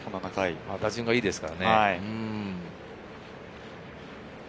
打順がいいですからね。